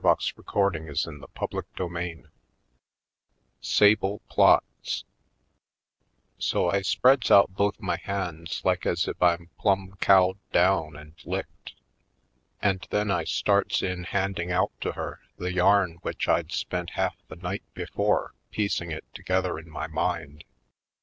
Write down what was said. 210 /. Poindexter^ Colored CHAPTER XVII Sahle Plots So I spreads out both my hands like as if I'm plumb cowed down and licked, and then I starts in handing out to her the yarn which I'd spent half the night before piecing it together in my mind.